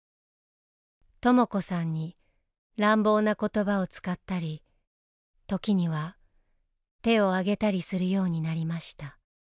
とも子さんに乱暴な言葉を使ったり時には手をあげたりするようになりました。